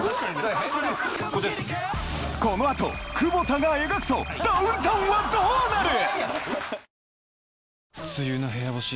このあと久保田が描くとダウンタウンはどうなる！？